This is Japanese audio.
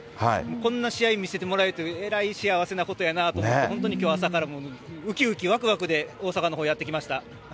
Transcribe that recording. こんな試合見せてもらえて、えらい幸せなことやなと思って、本当にきょうは朝から、うきうきわくわくで大阪のほう、やって来ました。